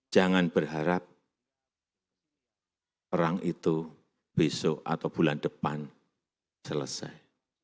jangan berharap perang itu besok atau bulan depan selesai